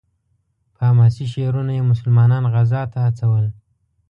په حماسي شعرونو یې مسلمانان غزا ته هڅول.